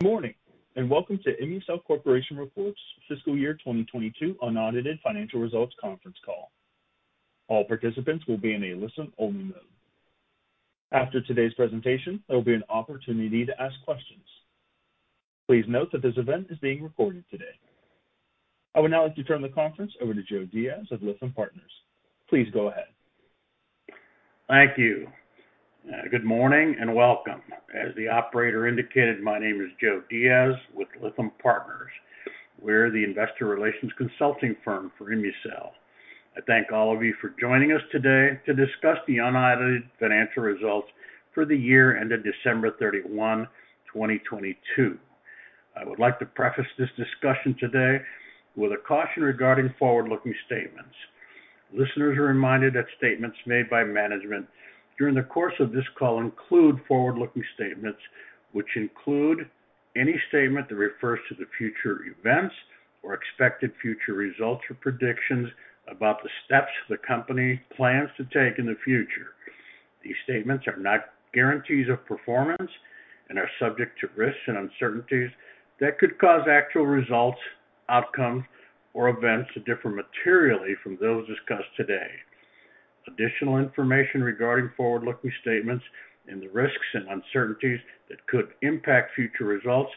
Good morning, welcome to ImmuCell Corporation reports fiscal year 2022 unaudited financial results conference call. All participants will be in a listen-only mode. After today's presentation, there'll be an opportunity to ask questions. Please note that this event is being recorded today. I would now like to turn the conference over to Joe Diaz of Lytham Partners. Please go ahead. Thank you. Good morning and welcome. As the operator indicated, my name is Joe Diaz with Lytham Partners. We're the investor relations consulting firm for ImmuCell. I thank all of you for joining us today to discuss the unaudited financial results for the year ended December 31, 2022. I would like to preface this discussion today with a caution regarding forward-looking statements. Listeners are reminded that statements made by management during the course of this call include forward-looking statements, which include any statement that refers to the future events or expected future results or predictions about the steps the company plans to take in the future. These statements are not guarantees of performance and are subject to risks and uncertainties that could cause actual results, outcomes, or events to differ materially from those discussed today. Additional information regarding forward-looking statements and the risks and uncertainties that could impact future results,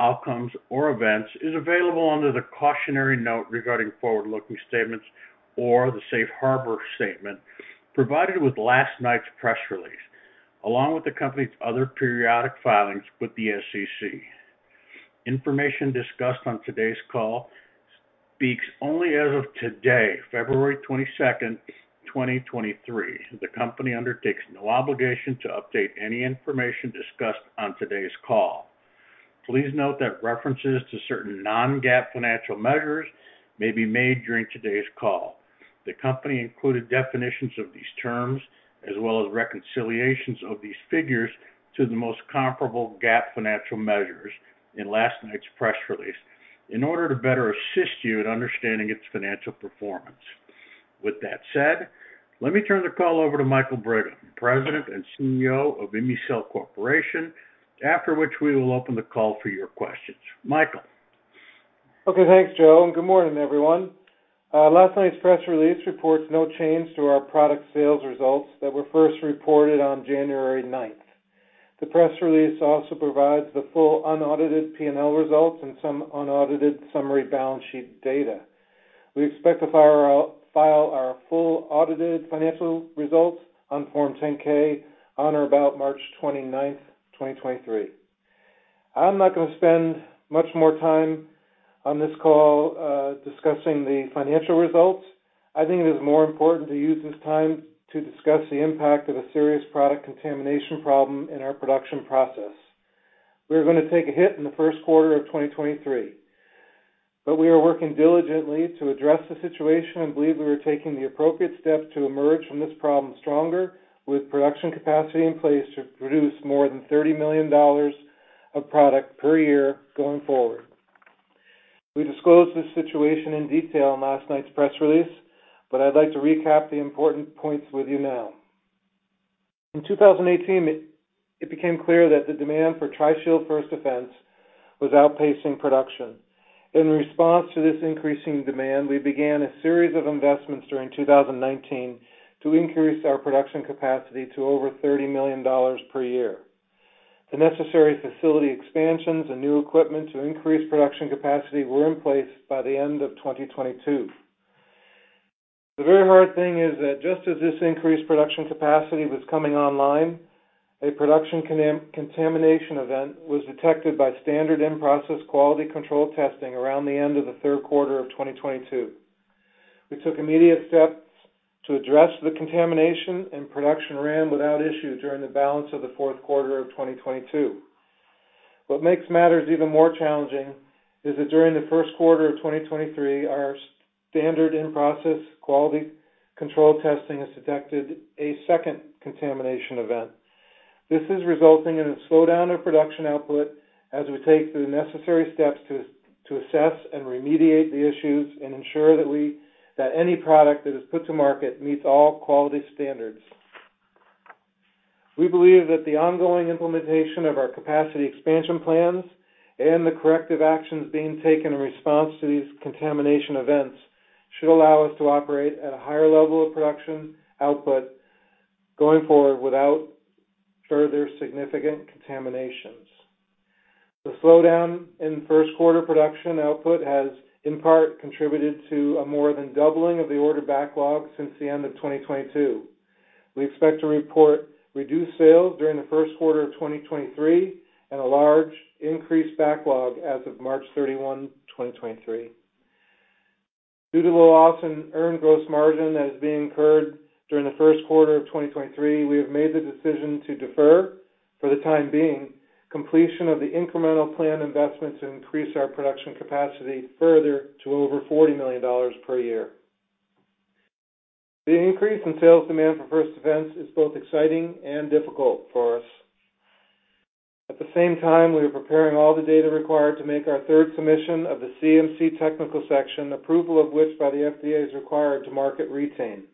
outcomes, or events is available under the cautionary note regarding forward-looking statements or the safe harbor statement provided with last night's press release, along with the company's other periodic filings with the SEC. Information discussed on today's call speaks only as of today, February 22, 2023. The company undertakes no obligation to update any information discussed on today's call. Please note that references to certain non-GAAP financial measures may be made during today's call. The company included definitions of these terms, as well as reconciliations of these figures, to the most comparable GAAP financial measures in last night's press release in order to better assist you in understanding its financial performance. With that said, let me turn the call over to Michael F. Brigham, president and CEO of ImmuCell Corporation, after which we will open the call for your questions. Michael. Okay, thanks, Joe, and good morning, everyone. Last night's press release reports no change to our product sales results that were first reported on January 9th. The press release also provides the full unaudited P&L results and some unaudited summary balance sheet data. We expect to file our full audited financial results on Form 10-K on or about March 29th, 2023. I'm not gonna spend much more time on this call, discussing the financial results. I think it is more important to use this time to discuss the impact of a serious product contamination problem in our production process. We're gonna take a hit in the first quarter of 2023, but we are working diligently to address the situation and believe we are taking the appropriate steps to emerge from this problem stronger, with production capacity in place to produce more than $30 million of product per year going forward. We disclosed this situation in detail in last night's press release, but I'd like to recap the important points with you now. In 2018, it became clear that the demand for First Defense Tri-Shield was outpacing production. In response to this increasing demand, we began a series of investments during 2019 to increase our production capacity to over $30 million per year. The necessary facility expansions and new equipment to increase production capacity were in place by the end of 2022. The very hard thing is that just as this increased production capacity was coming online, a production contamination event was detected by standard in-process quality control testing around the end of the third quarter of 2022. We took immediate steps to address the contamination, Production ran without issue during the balance of the fourth quarter of 2022. What makes matters even more challenging is that during the first quarter of 2023, our standard in-process quality control testing has detected a second contamination event. This is resulting in a slowdown of production output as we take the necessary steps to assess and remediate the issues and ensure that we that any product that is put to market meets all quality standards. We believe that the ongoing implementation of our capacity expansion plans and the corrective actions being taken in response to these contamination events should allow us to operate at a higher level of production output going forward without further significant contaminations. The slowdown in first quarter production output has in part contributed to a more than doubling of the order backlog since the end of 2022. We expect to report reduced sales during the first quarter of 2023 and a large increased backlog as of March 31, 2023. Due to the loss in earned gross margin that is being incurred during the first quarter of 2023, we have made the decision to defer, for the time being, completion of the incremental planned investments to increase our production capacity further to over $40 million per year. The increase in sales demand for First Defense is both exciting and difficult for us. At the same time, we are preparing all the data required to make our third submission of the CMC Technical Section, approval of which by the FDA is required to market Re-Tain.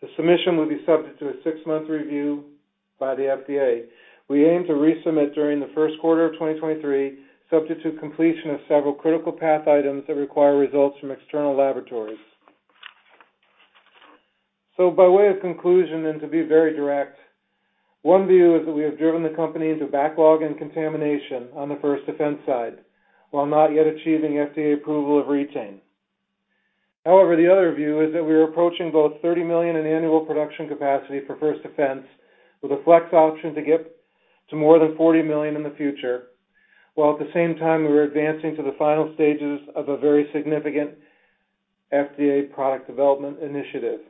The submission will be subject to a six-month review by the FDA. We aim to resubmit during the first quarter of 2023, subject to completion of several critical path items that require results from external laboratories. By way of conclusion, and to be very direct, one view is that we have driven the company into backlog and contamination on the First Defense side, while not yet achieving FDA approval of Re-Tain. The other view is that we are approaching both $30 million in annual production capacity for First Defense with a flex option to get to more than $40 million in the future, while at the same time we are advancing to the final stages of a very significant FDA product development initiative.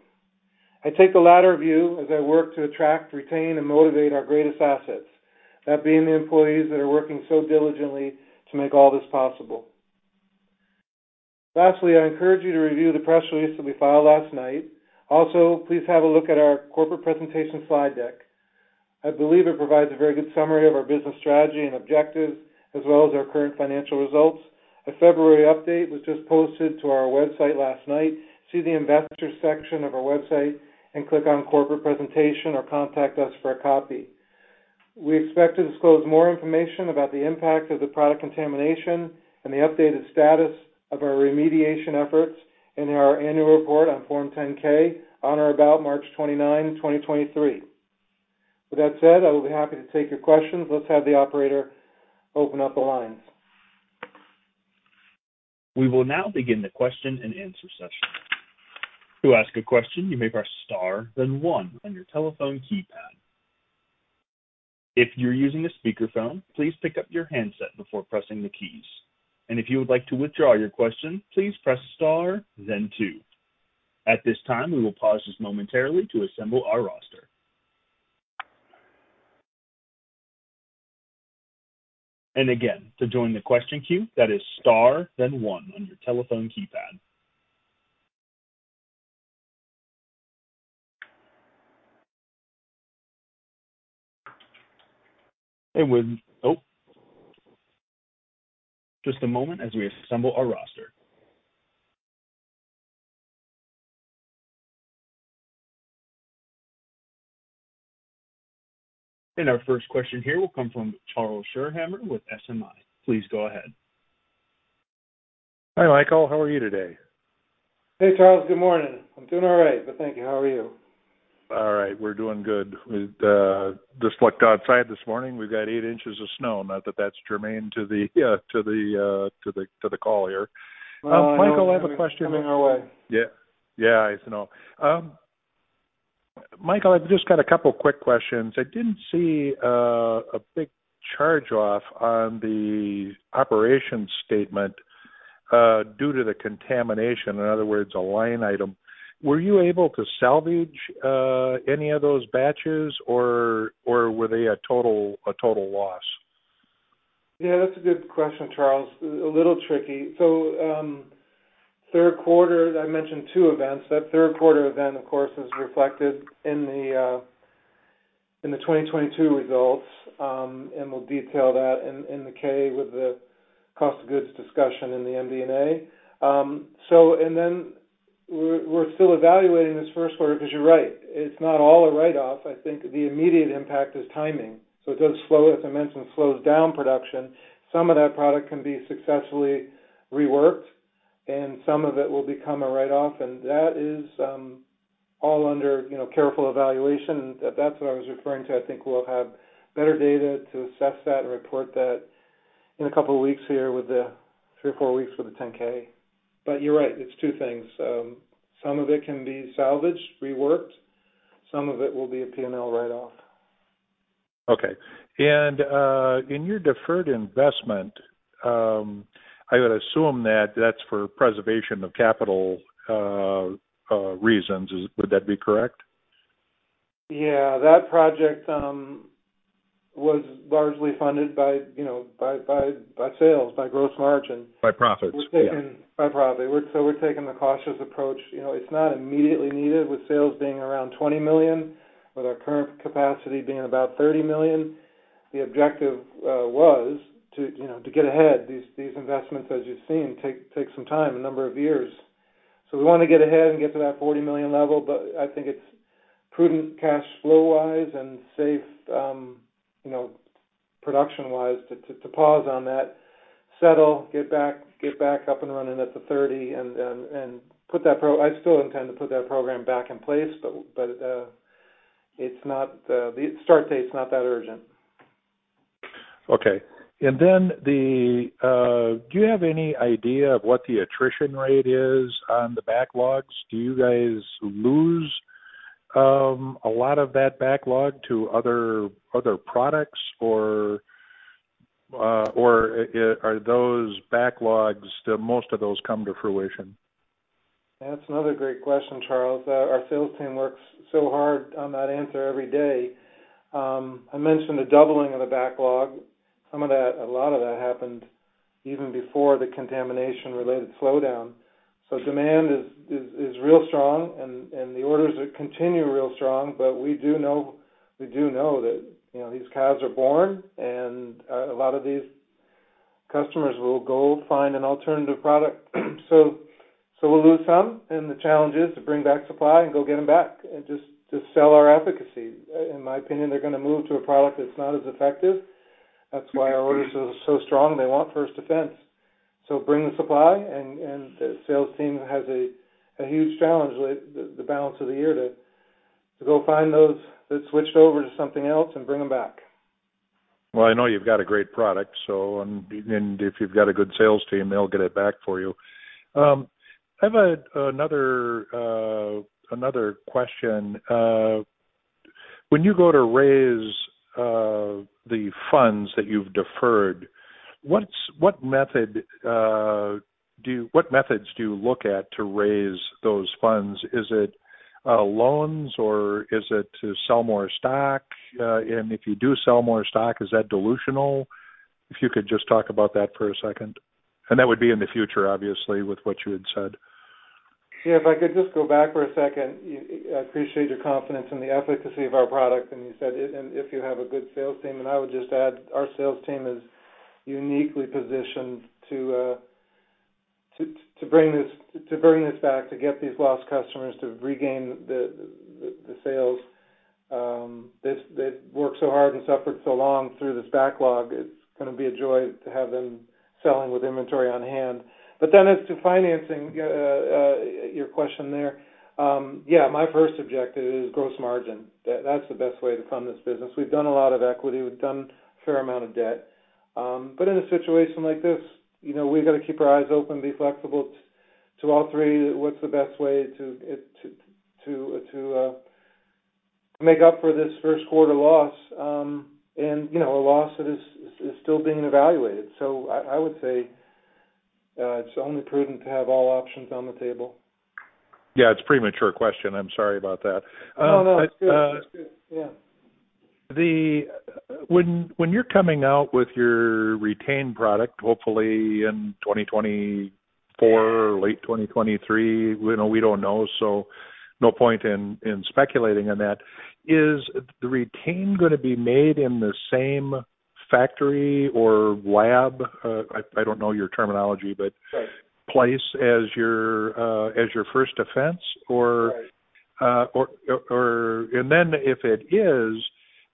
I take the latter view as I work to attract, retain, and motivate our greatest assets, that being the employees that are working so diligently to make all this possible. Lastly, I encourage you to review the press release that we filed last night. Please have a look at our corporate presentation slide deck. I believe it provides a very good summary of our business strategy and objectives as well as our current financial results. A February update was just posted to our website last night. See the investor section of our website and click on corporate presentation or contact us for a copy. We expect to disclose more information about the impact of the product contamination and the updated status of our remediation efforts in our annual report on Form 10-K on or about March 29, 2023. With that said, I will be happy to take your questions. Let's have the operator open up the lines. We will now begin the question and answer session. To ask a question, you may press star, then one on your telephone keypad. If you're using a speakerphone, please pick up your handset before pressing the keys. If you would like to withdraw your question, please press star then two. At this time, we will pause just momentarily to assemble our roster. Again, to join the question queue, that is star, then one on your telephone keypad. Just a moment as we assemble our roster. Our first question here will come from Charles Schirmeier with SMI. Please go ahead. Hi, Michael. How are you today? Hey, Charles. Good morning. I'm doing all right, but thank you. How are you? All right. We're doing good. We just looked outside this morning. We've got eight inches of snow. Not that that's germane to the call here. Well, I know coming our way. Michael, I have a question. Yeah. Yeah, I know. Michael, I've just got a couple of quick questions. I didn't see a big charge off on the operations statement, due to the contamination. In other words, a line item. Were you able to salvage any of those batches or were they a total loss? That's a good question, Charles. A little tricky. Third quarter, I mentioned two events. That third quarter event, of course, is reflected in the in the 2022 results, and we'll detail that in the K with the cost of goods discussion in the MD&A. We're still evaluating this first quarter because you're right. It's not all a write-off. I think the immediate impact is timing. It does slow, as I mentioned, slows down production. Some of that product can be successfully reworked, and some of it will become a write-off. That is, you know, careful evaluation. That's what I was referring to. I think we'll have better data to assess that and report that in a couple of weeks here with the three or four weeks with the 10-K. you're right, it's two things. Some of it can be salvaged, reworked, some of it will be a P&L write-off. Okay. In your deferred investment, I would assume that that's for preservation of capital reasons. Would that be correct? That project, was largely funded by, you know, by sales, by gross margin. By profits. Yeah. By profit. We're taking the cautious approach. You know, it's not immediately needed with sales being around $20 million, with our current capacity being about $30 million. The objective was to, you know, to get ahead. These investments, as you've seen, take some time, a number of years. We want to get ahead and get to that $40 million level. I think it's prudent cash flow-wise and safe, you know, production-wise to pause on that, settle, get back up and running at the 30 and put that program back in place, but, it's not, the start date's not that urgent. Okay. Then do you have any idea of what the attrition rate is on the backlogs? Do you guys lose a lot of that backlog to other products, or are those backlogs, do most of those come to fruition? That's another great question, Charles. Our sales team works so hard on that answer every day. I mentioned the doubling of the backlog. A lot of that happened even before the contamination-related slowdown. Demand is real strong and the orders continue real strong. We do know that, you know, these calves are born and a lot of these customers will go find an alternative product. We'll lose some, and the challenge is to bring back supply and go get them back and just sell our efficacy. In my opinion, they're gonna move to a product that's not as effective. That's why our orders are so strong. They want First Defense. Bring the supply, and the sales team has a huge challenge with the balance of the year to go find those that switched over to something else and bring them back. I know you've got a great product, if you've got a good sales team, they'll get it back for you. I have another question. When you go to raise the funds that you've deferred, what methods do you look at to raise those funds? Is it loans, or is it to sell more stock? If you do sell more stock, is that dilutional? If you could just talk about that for a second. That would be in the future, obviously, with what you had said. Yeah, if I could just go back for a second. I appreciate your confidence in the efficacy of our product when you said and if you have a good sales team, and I would just add, our sales team is uniquely positioned to bring this back, to get these lost customers, to regain the sales. They've worked so hard and suffered so long through this backlog. It's gonna be a joy to have them selling with inventory on hand. As to financing, your question there, yeah, my first objective is gross margin. That's the best way to fund this business. We've done a lot of equity. We've done a fair amount of debt. But in a situation like this, you know, we've got to keep our eyes open, be flexible to all three. What's the best way to make up for this first quarter loss? You know, a loss that is still being evaluated. I would say, it's only prudent to have all options on the table. Yeah, it's a premature question. I'm sorry about that. Oh, no. It's good. It's good. Yeah. When you're coming out with your Re-Tain product, hopefully in 2024 or late 2023. We know we don't know, no point in speculating on that. Is the Re-Tain going to be made in the same factory or lab? I don't know your terminology, but. Right... place as your, as your First Defense. Right... or. Then if it is,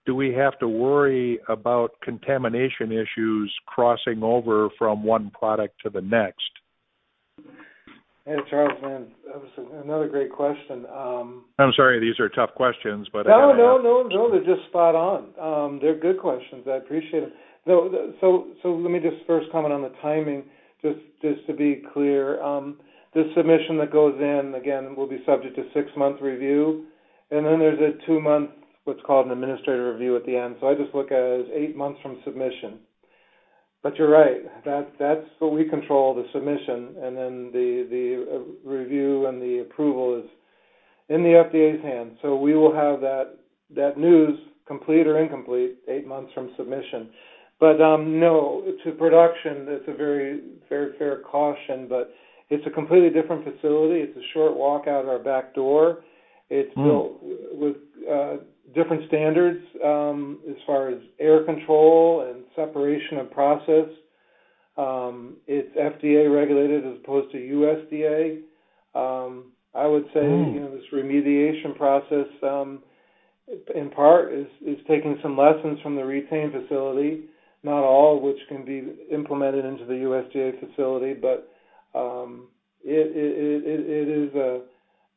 do we have to worry about contamination issues crossing over from one product to the next? Hey, Charles. Man, that was another great question. I'm sorry these are tough questions, but. No, no, no. They're just spot on. They're good questions. I appreciate them. No, let me just first comment on the timing, just to be clear. The submission that goes in, again, will be subject to six-month review, and then there's a two-month, what's called an administrative review at the end. I just look at it as eight months from submission. You're right. That's what we control, the submission, and then the review and the approval is in the FDA's hands. We will have that news complete or incomplete eight months from submission. No, to production, that's a very fair caution, but it's a completely different facility. It's a short walk out of our back door. Hmm. It's built with different standards, as far as air control and separation of process. It's FDA regulated as opposed to USDA. I would say. Hmm... you know, this remediation process, in part is taking some lessons from the Re-Tain facility, not all which can be implemented into the USDA facility.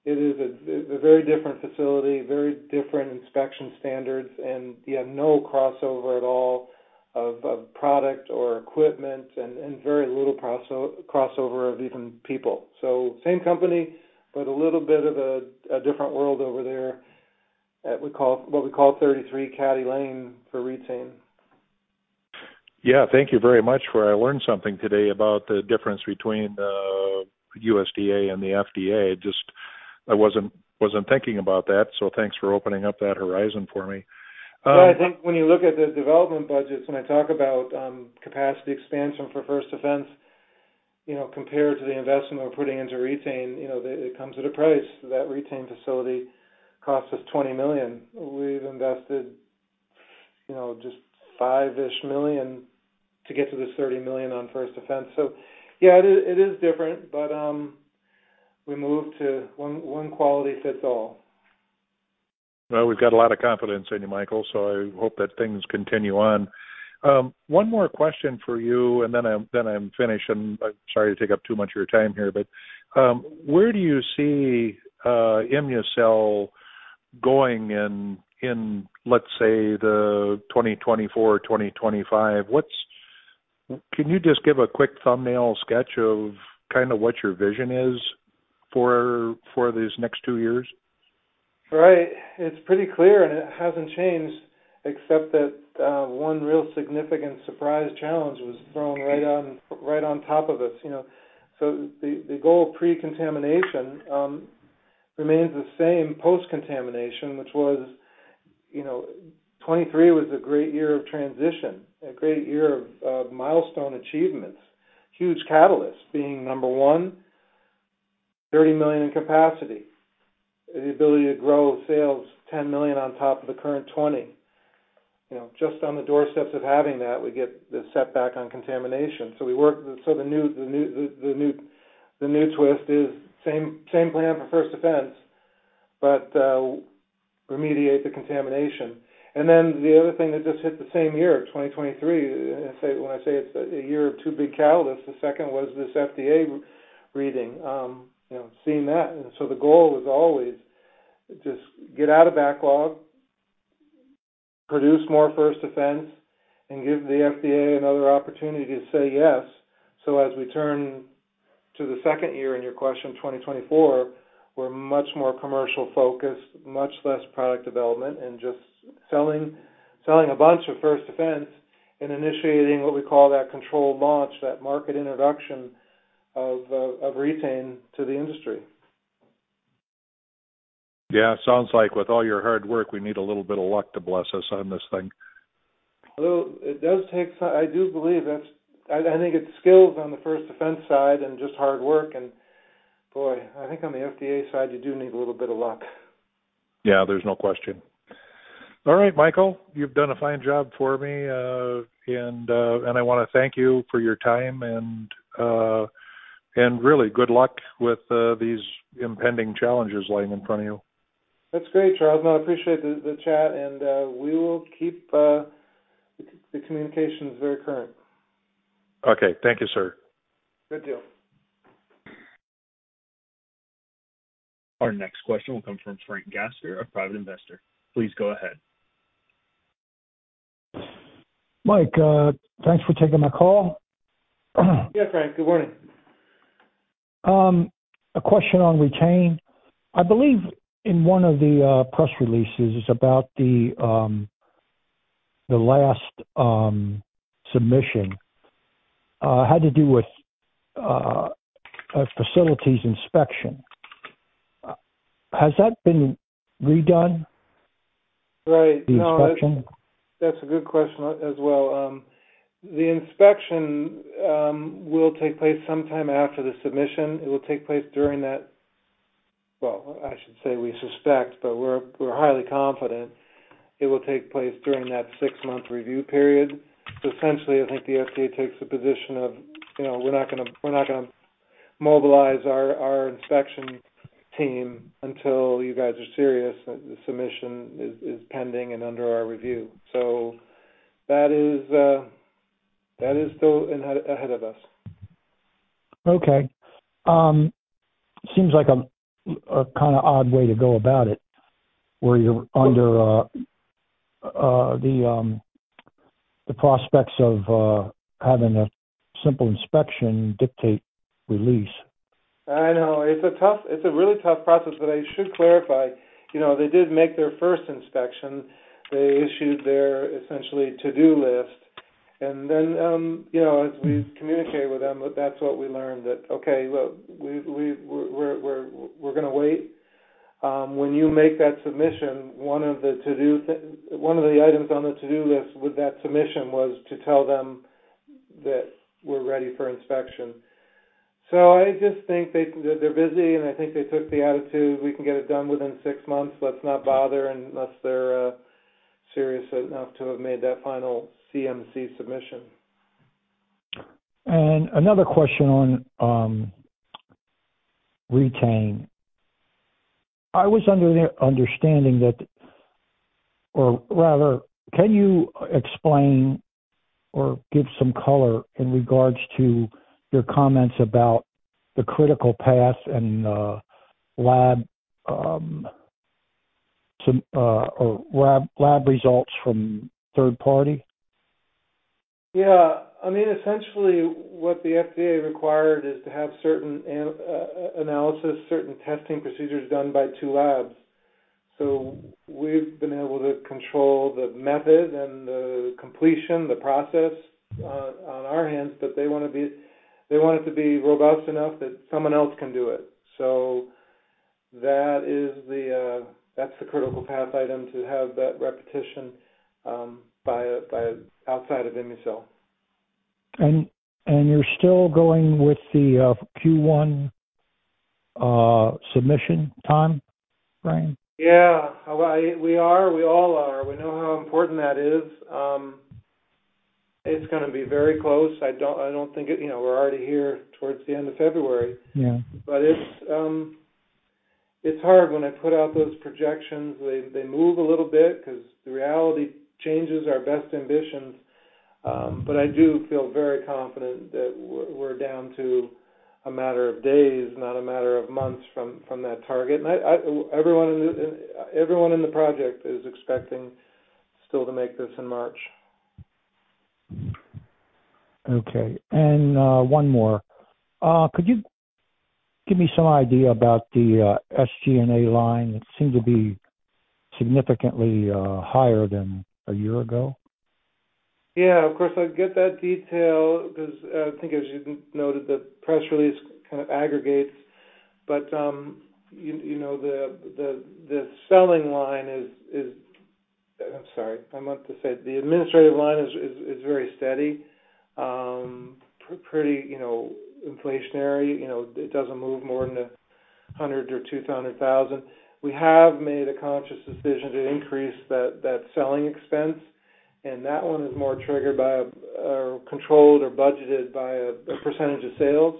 It is a very different facility, very different inspection standards, and you have no crossover at all of product or equipment and very little crossover of even people. Same company, but a little bit of a different world over there at what we call 33 Caddy Lane for Re-Tain. Yeah. Thank you very much for I learned something today about the difference between USDA and the FDA. Just I wasn't thinking about that. Thanks for opening up that horizon for me. I think when you look at the development budgets, when I talk about capacity expansion for First Defense, you know, compared to the investment we're putting into Re-Tain, you know, it comes at a price. That Re-Tain facility cost us $20 million. We've invested, you know, just $5-ish million to get to this $30 million on First Defense. Yeah, it is different, but we moved to one quality fits all. We've got a lot of confidence in you, Michael, so I hope that things continue on. One more question for you, and then I'm finished, and I'm sorry to take up too much of your time here. Where do you see ImmuCell going in, let's say, the 2024 or 2025? Can you just give a quick thumbnail sketch of kinda what your vision is for these next two years? Right. It's pretty clear, and it hasn't changed, except that, one real significant surprise challenge was thrown right on, right on top of us, you know. The goal of pre-contamination remains the same post-contamination, which was, you know, 2023 was a great year of transition, a great year of milestone achievements. Huge catalyst being, number one-$30 million in capacity. The ability to grow sales $10 million on top of the current $20 million. You know, just on the doorsteps of having that, we get the setback on contamination. The new twist is same plan for First Defense, but, remediate the contamination. The other thing that just hit the same year, 2023, say, when I say it's a year of two big catalysts, the second was this FDA reading. You know, seeing that. The goal was always just get out of backlog, produce more First Defense, and give the FDA another opportunity to say yes. As we turn to the second year in your question, 2024, we're much more commercial-focused, much less product development, and just selling a bunch of First Defense and initiating what we call that controlled launch, that market introduction of Re-Tain to the industry. Yeah. Sounds like with all your hard work, we need a little bit of luck to bless us on this thing. Well, it does take I do believe that's, I think it's skills on the First Defense side and just hard work. Boy, I think on the FDA side, you do need a little bit of luck. There's no question. All right, Michael, you've done a fine job for me, and I wanna thank you for your time and really good luck with these impending challenges lying in front of you. That's great, Charles. No, I appreciate the chat, and, we will keep, the communications very current. Okay. Thank you, sir. Good deal. Our next question will come from Frank Gasser, a private investor. Please go ahead. Mike, thanks for taking my call. Yeah, Frank. Good morning. A question on Re-Tain. I believe in one of the press releases about the last submission had to do with a facilities inspection. Has that been redone? Right. the inspection? That's a good question as well. The inspection will take place sometime after the submission. It will take place during that. Well, I should say we suspect, but we're highly confident it will take place during that six-month review period. Essentially, I think the FDA takes the position of, you know, we're not gonna mobilize our inspection team until you guys are serious, and the submission is pending and under our review. That is still in ahead of us. Okay. seems like a kinda odd way to go about it, where you're under the prospects of having a simple inspection dictate release. I know. It's a really tough process, but I should clarify. You know, they did make their first inspection. They issued their essentially to-do list. As we communicate with them, that's what we learned that, okay, well, we're gonna wait. When you make that submission, one of the items on the to-do list with that submission was to tell them that we're ready for inspection. I just think they're busy, and I think they took the attitude, we can get it done within 6 months. Let's not bother unless they're serious enough to have made that final CMC submission. Another question on Re-Tain. Rather, can you explain or give some color in regards to your comments about the critical path and lab results from third party? Yeah. I mean, essentially what the FDA required is to have certain analysis, certain testing procedures done by two labs. We've been able to control the method and the completion, the process on our hands, but they want it to be robust enough that someone else can do it. That is the, that's the critical path item to have that repetition by outside of ImmuCell. You're still going with the Q1 submission time frame? Yeah. Well, we are. We all are. We know how important that is. It's gonna be very close. I don't. You know, we're already here towards the end of February. Yeah. It's hard when I put out those projections, they move a little bit 'cause the reality changes our best ambitions. I do feel very confident that we're down to a matter of days, not a matter of months from that target. I, everyone in the project is expecting still to make this in March. Okay. One more. Could you give me some idea about the SG&A line? It seemed to be significantly higher than a year ago. Yeah. Of course, I'll get that detail 'cause I think as you noted, the press release kind of aggregates. you know, the selling line is. I'm sorry, I meant to say the administrative line is very steady. Pretty, you know, inflationary. You know, it doesn't move more than $100,000-$200,000. We have made a conscious decision to increase that selling expense, that one is more triggered by or controlled or budgeted by a percentage of sales.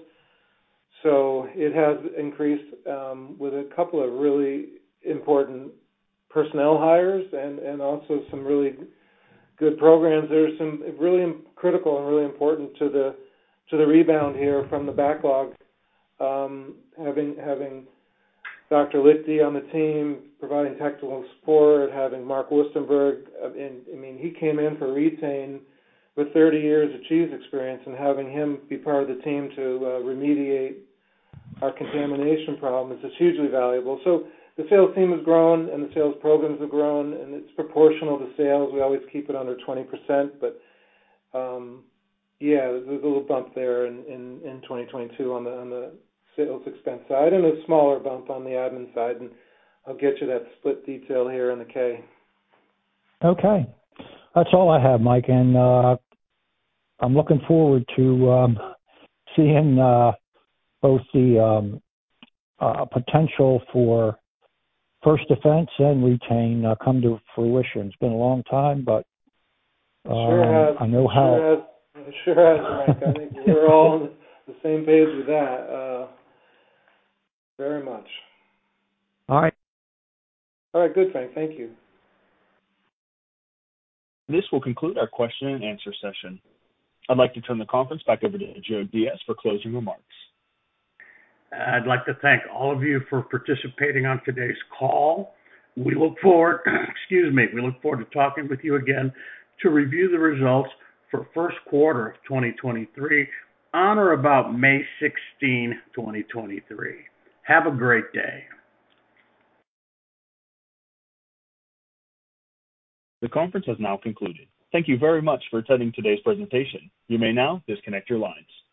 It has increased with a couple of really important personnel hires and also some really good programs. There are some really critical and really important to the rebound here from the backlog. Having Raffael Lichdi on the team providing technical support, having Mark Wustenberg in... I mean, he came in for Re-Tain with 30 years of cheese experience, and having him be part of the team to remediate our contamination problems is hugely valuable. The sales team has grown, and the sales programs have grown, and it's proportional to sales. We always keep it under 20%. Yeah, there's a little bump there in 2022 on the sales expense side and a smaller bump on the admin side. I'll get you that split detail here in the K. Okay. That's all I have, Mike. I'm looking forward to seeing both the potential for First Defense and Re-Tain come to fruition. It's been a long time, but- It sure has. I know. It sure has, Mike. I think we're all on the same page with that, very much. All right. All right. Good, Frank. Thank you. This will conclude our question and answer session. I'd like to turn the conference back over to Joe Diaz for closing remarks. I'd like to thank all of you for participating on today's call. Excuse me. We look forward to talking with you again to review the results for first quarter of 2023 on or about May 16th, 2023. Have a great day. The conference has now concluded. Thank you very much for attending today's presentation. You may now disconnect your lines.